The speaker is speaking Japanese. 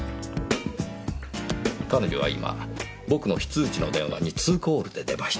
彼女は今僕の非通知の電話にツーコールで出ました。